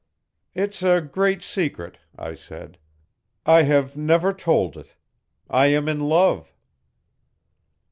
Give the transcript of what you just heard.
'It's a great secret,' I said, 'I have never told it. I am in love.'